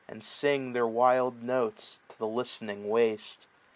And sing their wild notes to the listening waste.